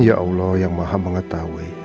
ya allah yang maha mengetahui